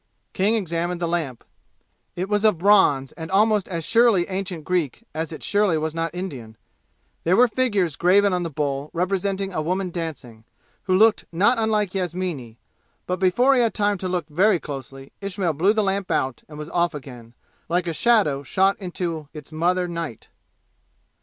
King examined the lamp. It was of bronze and almost as surely ancient Greek as it surely was not Indian. There were figures graven on the bowl representing a woman dancing, who looked not unlike Yasmini; but before he had time to look very closely Ismail blew the lamp out and was off again, like a shadow shot into its mother night.